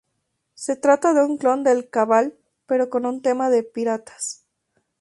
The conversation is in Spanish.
Se trata de un clon del "Cabal", pero con un tema de piratas.